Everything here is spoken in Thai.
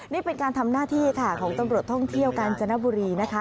นี่เป็นการทำหน้าที่ค่ะของตำรวจท่องเที่ยวกาญจนบุรีนะคะ